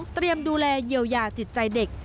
ดูแลเยียวยาจิตใจเด็ก